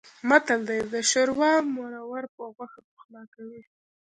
متل دی: د شوروا مرور په غوښه پخلا.